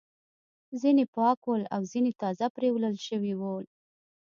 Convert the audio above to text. ځینې پاک ول او ځینې تازه پریولل شوي ول.